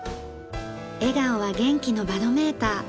笑顔は元気のバロメーター。